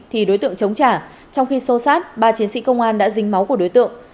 thì đối tượng chống trả trong khi sâu sát ba chiến sĩ công an đã dính máu của đối tượng